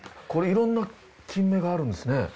これいろんなキンメがあるんですね。